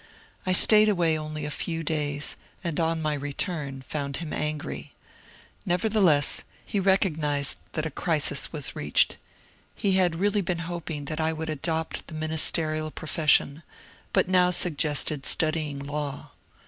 I staid away only a few days, and on my return found him angry. Nevertheless he recognized that a crisis 74 MONCURE DANIEL CONWAY was reached. He had really been hoping that I would adopt the ministerial profession, but now suggested studying law.